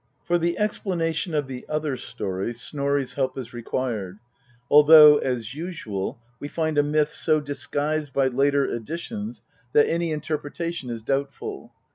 For the explanation of the other story Snorri's help is required, although, as usual, we find a myth so disguised by later additions that any interpretation is doubtful.